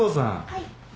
はい。